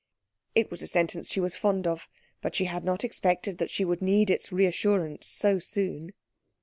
_ It was a sentence she was fond of; but she had not expected that she would need its reassurance so soon.